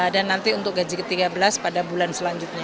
dan nanti untuk gaji ke tiga belas pada bulan selanjutnya